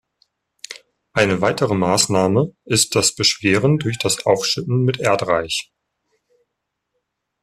Eine weitere Maßnahme ist das Beschweren durch das Aufschütten mit Erdreich.